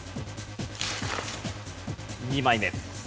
２枚目。